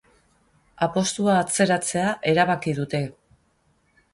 Apostua atzeratzea erabaki dute.